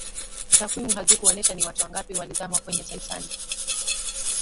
takwimu hazikuonesha ni watu wangapi walizama kwenye titanic